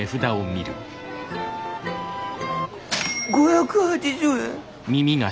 ５８０円！？